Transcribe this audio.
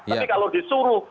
tapi kalau disuruh